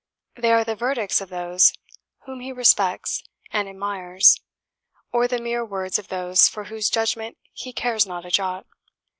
They are the verdicts of those whom he respects and admires, or the mere words of those for whose judgment he cares not a jot.